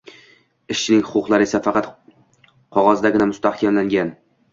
Ishchining huquqlari esa faqat qog‘ozdagina mustahkamlangan.